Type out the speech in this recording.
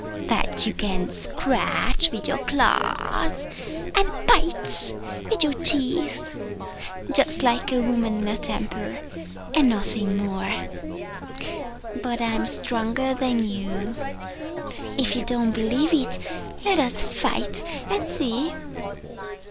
That you can scratch with your claws and bite with your teeth just like a woman in a temper and nothing more. But I'm stronger than you: if you don't believe it, let us fight and see."